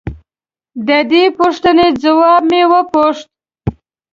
د دې پوښتنې ځواب مې وپوښت.